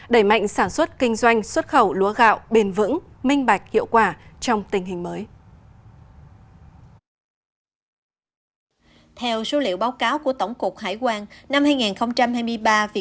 đẩy mạnh sản xuất kinh doanh xuất khẩu lúa gạo bền vững minh bạch hiệu quả trong tình hình mới